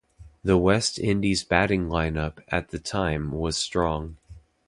The West Indies batting lineup at the time was strong.